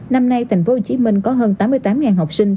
năm nay tp hcm có hơn tám mươi tám học sinh